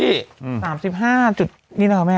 ๓๕นี่แหละแม่